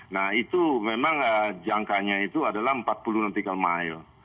nah itu memang jangkanya itu adalah empat puluh nautical mile